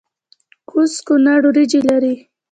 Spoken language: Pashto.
کوز کونړ وریجې لري؟